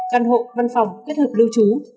căn hộ văn phòng kết hợp lưu trú